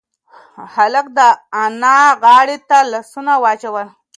هلک د انا غاړې ته لاسونه واچول.